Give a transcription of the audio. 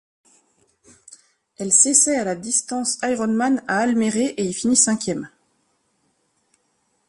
Elle s'essaie à la distance Ironman à Almere et y finit cinquième.